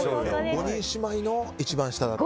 ５人姉妹の一番下だったと。